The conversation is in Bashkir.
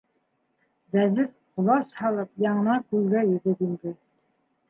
Вәзир, ҡолас һалып, яңынан күлгә йөҙөп инде.